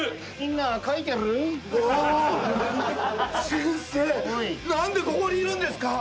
先生何でここにいるんですか？